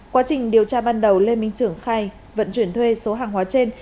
quá trình điều tra ban đầu lê minh trường khai vận chuyển thuê số hàng hóa trên từ tp hcm